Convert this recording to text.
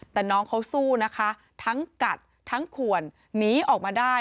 แต่น้องเขาสู้นะคะทั้งกัดทั้งขวนหนีออกมาได้